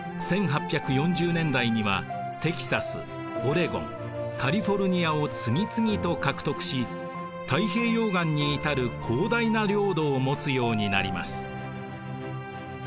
１８４０年代にはテキサスオレゴンカリフォルニアを次々と獲得し太平洋岸に至る広大な領土を持つようになります。